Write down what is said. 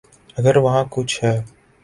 اگر وہاں کچھ ہے۔